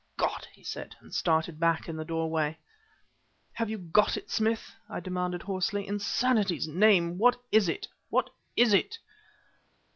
"God!" he said, and started back in the doorway. "Have you got it, Smith?" I demanded hoarsely. "In sanity's name what is it what is it?"